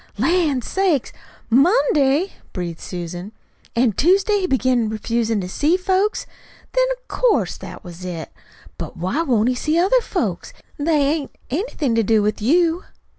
"Lan' sakes! MONDAY!" breathed Susan. "An' Tuesday he began refusin' to see folks. Then 'course that was it. But why won't he see other folks? They hain't anything to do with you."